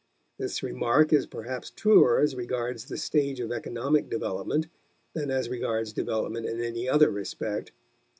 This remark is perhaps truer as regards the stage of economic development than as regards development in any other respect.